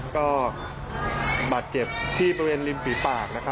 ก็บาดเจ็บที่บริเวณริมฝีปาก